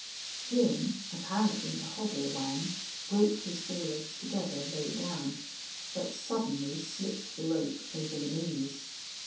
Jim, apparently to hobble Whang, roped his forelegs together, low down, but suddenly slipped the rope over the knees.